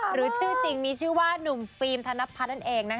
หรือชื่อจริงมีชื่อว่านุ่มฟิล์มธนพัฒน์นั่นเองนะคะ